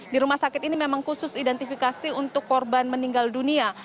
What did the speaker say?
di rumah sakit ini memang khusus identifikasi untuk korban meninggal dunia